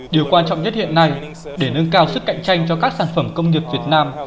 điều quan trọng nhất hiện nay để nâng cao sức cạnh tranh cho các sản phẩm công nghiệp việt nam